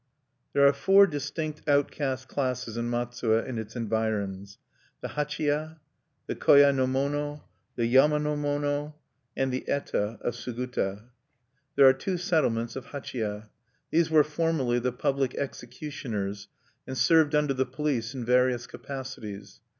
"There are four distinct outcast classes in Matsue and its environs: the hachiya, the koya no mono, the yama no mono, and the eta of Suguta. "There are two settlements of hachiya. These were formerly the public executioners, and served under the police in various capacities.